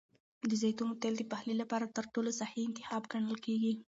د زیتون تېل د پخلي لپاره تر ټولو صحي انتخاب ګڼل کېږي.